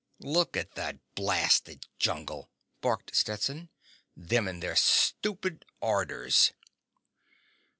"Just look at that blasted jungle!" barked Stetson. "Them and their stupid orders!"